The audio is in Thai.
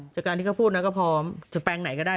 จากการที่เขาพูดนะก็พอจะแปลงไหนก็ได้